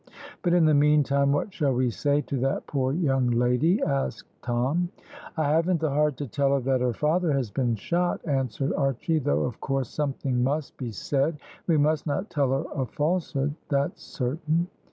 "But in the meantime what shall we say to that poor young lady?" asked Tom. "I haven't the heart to tell her that her father has been shot," answered Archy, "though, of course, something must be said; we must not tell her a falsehood, that's certain."